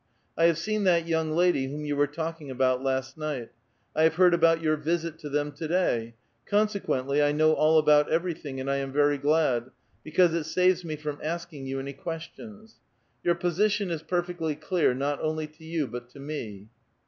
1 have seen that young lady whom you were talking about last night ; 1 have heard about your visit to them to day ; consequently, I know all about every thing, and T am very glad, because it saves me from asking you any questions. Your position is perfectly clear, not onlv to vou, but to me."